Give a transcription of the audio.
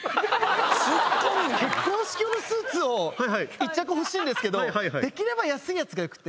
結婚式用のスーツを１着欲しいんですけどできれば安いやつがよくて。